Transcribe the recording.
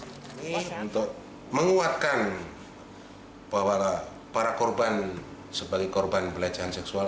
untuk menguatkan bahwa para korban sebagai korban pelecehan seksual